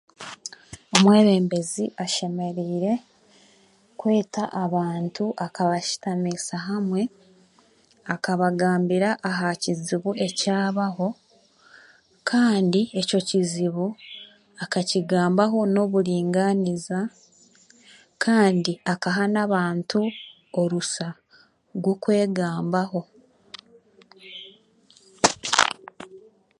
Omwebembezi ashemereire kweta abantu akabashutamiisa hamwe, akabagambira aha kizibu ekyabaho, kandi ekyo kizibu akakigambaho n'oburingaaniza, kandi akaha n'abantu orusa rw'okwegambaho.